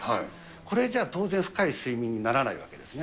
これじゃあ、当然、深い睡眠にならないわけですね。